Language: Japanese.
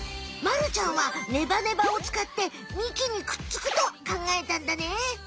まるちゃんはネバネバを使って幹にくっつくとかんがえたんだね。